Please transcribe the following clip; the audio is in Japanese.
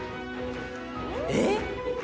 えっ？